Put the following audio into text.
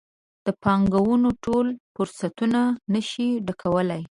د پانګونې ټول فرصتونه نه شي ډکولی.